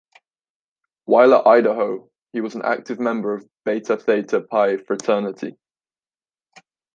While at Idaho, he was an active member of Beta Theta Pi fraternity.